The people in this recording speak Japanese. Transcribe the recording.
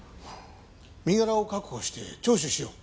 身柄を確保して聴取しよう。